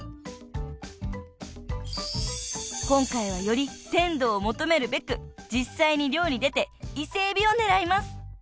［今回はより鮮度を求めるべく実際に漁に出て伊勢えびを狙います］